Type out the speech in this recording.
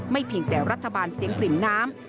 เพียงแต่รัฐบาลเสียงปริ่มน้ำ